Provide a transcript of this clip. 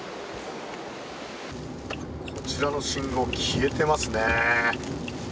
こちらの信号、消えてますね。